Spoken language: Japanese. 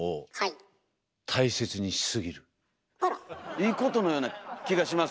いいことのような気がしますけど。